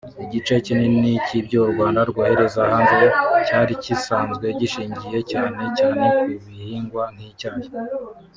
Igice kinini cy’ibyo u Rwanda rwohereza hanze cyari gisanzwe gishingiye cyane cyane ku bihingwa nk’icyayi